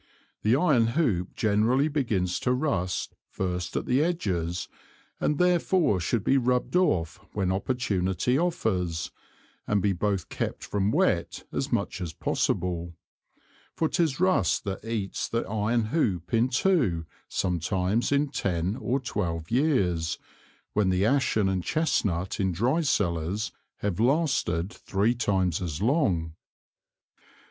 The Iron Hoop generally begins to rust first at the Edges, and therefore should be rubbed off when opportunity offers, and be both kept from wet as much as possible; for 'tis Rust that eats the Iron Hoop in two sometimes in ten or twelve Years, when the Ashen and Chesnut in dry Cellars have lasted three times as long.